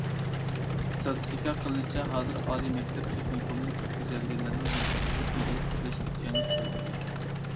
ئىستاتىستىكا قىلىنىشىچە، ھازىر ئالىي مەكتەپ، تېخنىكومنى پۈتكۈزگەنلەرنىڭ ھەمكارلىشىپ ئىگىلىك تىكلەش ئېڭى تۆۋەن ئىكەن.